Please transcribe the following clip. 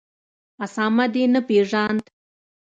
اسامه دي نه پېژاند